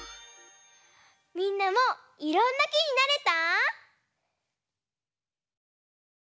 みんなもいろんなきになれた？